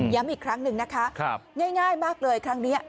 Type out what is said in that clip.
อีกครั้งหนึ่งนะคะง่ายมากเลยครั้งนี้